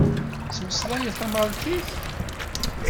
Tettmeslayeḍ tamalṭit?